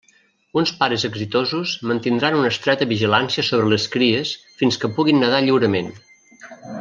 Uns pares exitosos mantindran una estreta vigilància sobre les cries fins que puguin nedar lliurement.